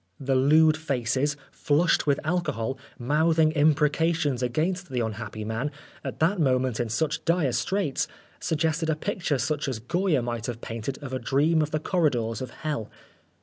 The lewd faces, flushed with alcohol, mouthing imprecations against the unhappy man, at that moment in such dire straits, 148 Oscar Wilde suggested a picture such as Goya might have painted of a dream of the corridors of Hell.